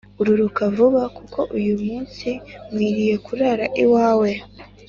Ururuka Vuba Kuko Uyu Munsi Nkwiriye Kurara iwawe